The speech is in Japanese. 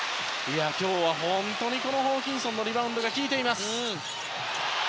今日は本当にホーキンソンのリバウンドが効いている。